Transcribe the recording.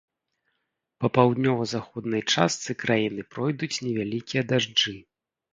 Па паўднёва-заходняй частцы краіны пройдуць невялікія дажджы.